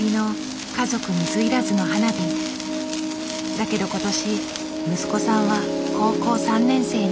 だけど今年息子さんは高校３年生に。